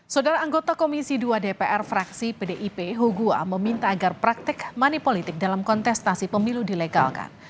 saudara anggota komisi dua dpr fraksi pdip hugua meminta agar praktek manipolitik dalam kontestasi pemilu dilegalkan